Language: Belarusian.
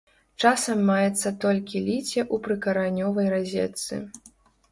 Часам маецца толькі ліце ў прыкаранёвай разетцы.